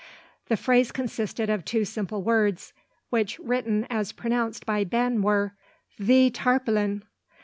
The phrase consisted of two simple words, which written as pronounced by Ben were, "Thee tarpolin."